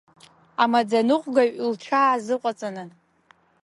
Амаӡаныҟәгаҩ лҽаазыҟаҵаны.